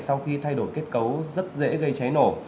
sau khi thay đổi kết cấu rất dễ gây cháy nổ